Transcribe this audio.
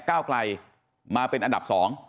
ก้าวไกลมาเป็นอันดับ๒